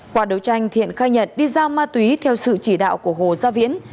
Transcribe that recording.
quả đấu tranh thiện khai nhật đi giao ma túy theo sự chỉ đạo của hồ gia viễn